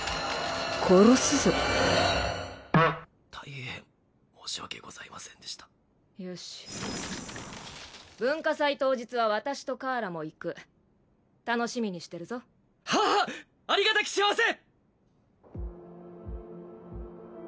殺すぞ大変申し訳ございませんでしたよし文化祭当日は私とカーラも行く楽しみにしてるぞははっありがたき幸せ！